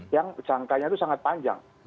yang jangkanya itu sangat panjang